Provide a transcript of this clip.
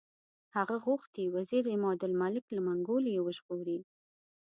هغه غوښتي وزیر عمادالملک له منګولو یې وژغوري.